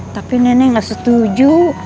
tapi nenek nggak setuju